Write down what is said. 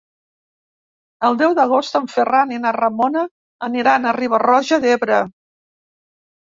El deu d'agost en Ferran i na Ramona aniran a Riba-roja d'Ebre.